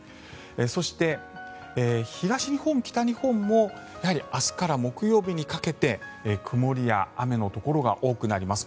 そして東日本、北日本も明日から木曜日にかけて曇りや雨のところが多くなります。